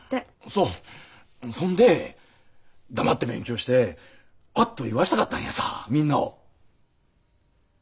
そそんで黙って勉強してアッと言わせたかったんやさみんなを。